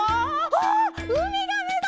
あっうみがめだ！